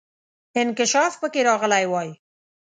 انکشاف پکې راغلی وای.